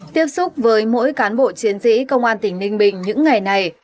tiếp xúc với mỗi cán bộ chiến sĩ công an tỉnh ninh bình những ngày này